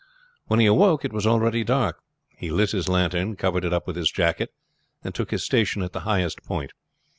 When he awoke it was already dark. He lit his lantern, covered it up in his jacket, and took his station at the highest point.